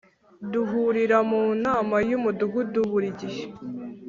duhurira mu nama yu mudugudu burigihe